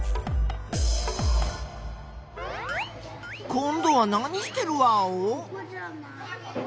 こんどは何してるワオ？